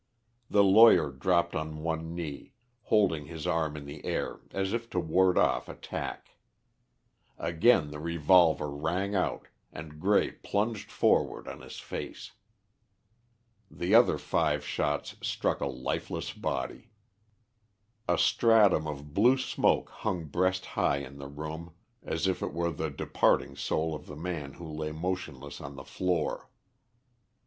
The lawyer dropped on one knee, holding his arm in the air as if to ward off attack. Again the revolver rang out, and Grey plunged forward on his face. The other five shots struck a lifeless body. A stratum of blue smoke hung breast high in the room as if it were the departing soul of the man who lay motionless on the floor.